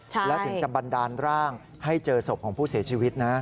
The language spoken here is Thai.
แล้วถึงจะบันดาลร่างให้เจอศพของผู้เสียชีวิตนะ